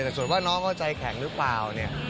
แต่ส่วนว่าน้องก็ใจแข็งหรือเปล่า